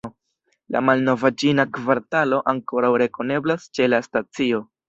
La malnova ĉina kvartalo ankoraŭ rekoneblas ĉe la stacio.